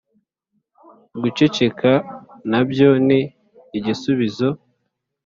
guceceka nabyo ni igisubizo.